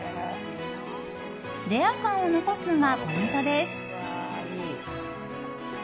レア感を残すのがポイントです。